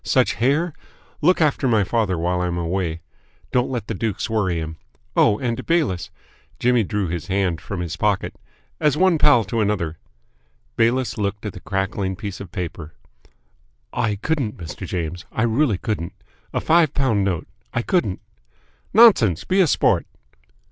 Such hair! Look after my father while I am away. Don't let the dukes worry him. Oh, and, Bayliss" Jimmy drew his hand from his pocket "as one pal to another " Bayliss looked at the crackling piece of paper. "I couldn't, Mr. James, I really couldn't! A five pound note! I couldn't!" "Nonsense! Be a sport!"